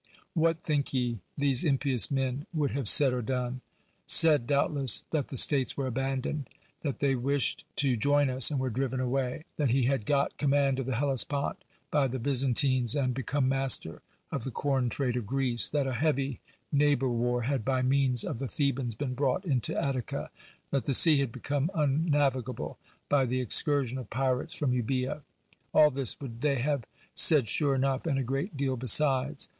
What, think ye, these impious men vv'ould have said or done? Said doubtless, that the states were abandoned — that they wished to join us and were driven awaj^ — that ho had got command of the Hellespont by the Byzantines, and become master of the corn trade of Greece — that a heavy neighbor war had by means of the Thebans been brought into Attica — that the sea had become unnavigable by the excursion of pi rates from Eubcea! All this would they have said sure enough, and a great deal besides.